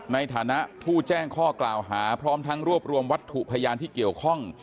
ในฐานะผู้แจ้งข้อกล่าวหาพร้อมทั้งรวบรวมวัตถุพยานที่เกี่ยวข้อง